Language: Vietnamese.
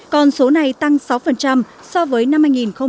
còn số này tăng sáu so với năm hai nghìn một mươi bảy